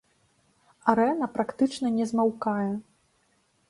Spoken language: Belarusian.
Арэна практычна не змаўкае.